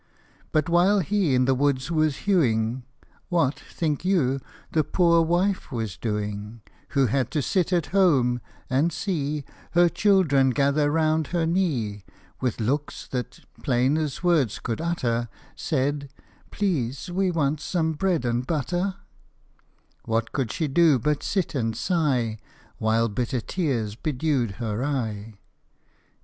But while he in the woods was hewing, What, think you, the poor wife was doing, Who had to sit at home, and see Her children gather round her knee With looks that, plain as words could utter, Said, " Please, we want some bread and butter "} What could she do but sit and sigh,. While bitter tears bedewed her eye